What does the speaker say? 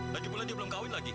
lagipula dia belum kawin lagi